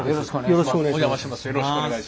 よろしくお願いします。